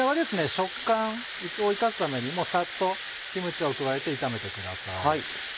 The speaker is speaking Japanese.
食感を生かすためにもサッとキムチを加えて炒めてください。